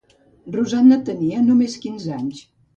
Rosanna tenia només quinze anys.